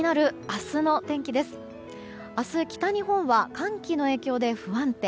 明日、北日本は寒気の影響で不安定。